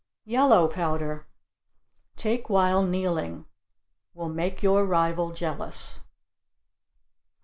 Yellow powder take while kneeling. Will make your rival jealous.